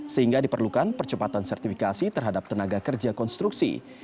sehingga diperlukan percepatan sertifikasi terhadap tenaga kerja konstruksi